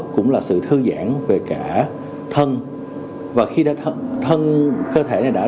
cũng là sự thư giãn về cả thân và khi đã thân cơ thể này đã được